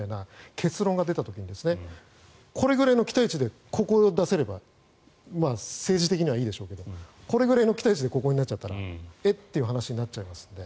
結論が出た時にこれぐらいの期待値でここを出せれば政治的にはいいでしょうがこれぐらいの期待値でここになっちゃったらえっ？という話になっちゃいますので。